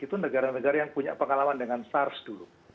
itu negara negara yang punya pengalaman dengan sars dulu